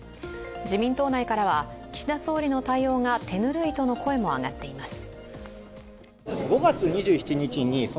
自民党内からは岸田総理の対応が手ぬるいとの声も上がっています。